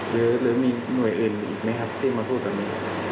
หรือมีหน่วยอื่นอีกไหมครับที่มาพูดแบบนี้